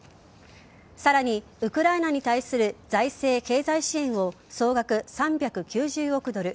さらに、ウクライナに対する財政、経済支援を総額３９０億ドル